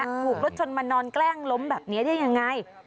ถูกรถชนมานอนแกล้งล้มแบบนี้ได้ยังไง